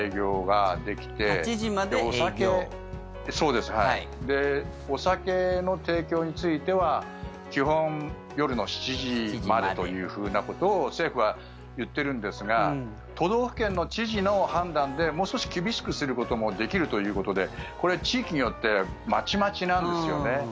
で、お酒の提供については基本、夜の７時までというふうなことを政府は言ってるんですが都道府県の知事の判断でもう少し厳しくすることもできるということでこれ、地域によってまちまちなんですよね。